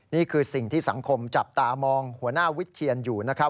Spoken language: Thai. นี่คือสิ่งที่สังคมจับตามองหัวหน้าวิทเทียนอยู่นะครับ